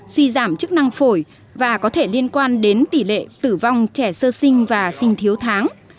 suy giảm chức năng phổi và có thể liên quan đến tỷ lệ tử vong trẻ sơ sinh và sinh thiếu tháng